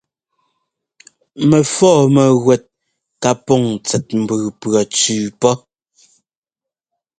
Mɛfɔ́ɔ mɛwɛ́t ká pɔŋ tsɛt mbʉʉ pʉɔpɛtsʉʉ pɔ́.